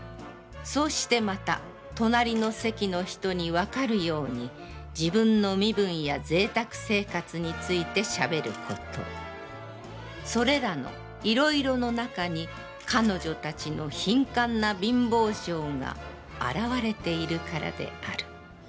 そうしてまた隣りの席の人に判るように自分の身分や贅沢生活について喋ること、それらのいろいろの中に彼女たちの貧寒な貧乏性が現われているからである」。